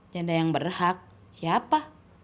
janda yang berhak siapa